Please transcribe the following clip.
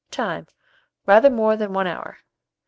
Time. Rather more than 1 hour.